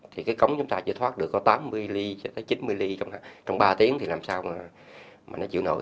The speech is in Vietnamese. thì cái cống chúng ta chỉ thoát được có tám mươi mm cho tới chín mươi mm trong ba tiếng thì làm sao mà nó chịu nổi